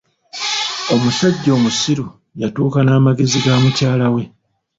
Omusajja omusiru yatuuka n'amagezi ga mukyala we.